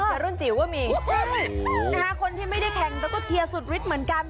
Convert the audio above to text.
แต่รุ่นจิ๋วก็มีใช่นะคะคนที่ไม่ได้แข่งแต่ก็เชียร์สุดฤทธิ์เหมือนกัน